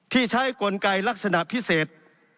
ที่ใช้กลไกลักษณะพิเศษ